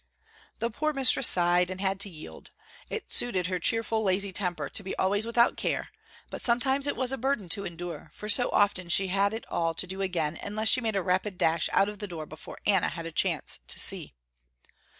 The poor mistress sighed and had to yield. It suited her cheerful, lazy temper to be always without care but sometimes it was a burden to endure, for so often she had it all to do again unless she made a rapid dash out of the door before Anna had a chance to see.